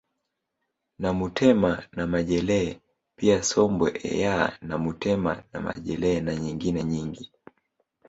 Namutema na majelee pia sombwe eyaaa namutema na majele na nyingine nyingi